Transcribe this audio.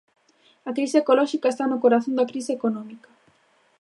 A crise ecolóxica está no corazón da crise económica.